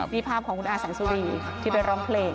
นี่ภาพของคุณอาแสงสุรีที่ไปร้องเพลง